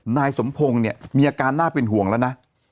นายสมโพงมีอาการหน้าเป็นห่วงแล้วนะ